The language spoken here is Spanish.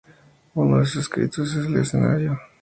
Uno de sus escritos en el escenario.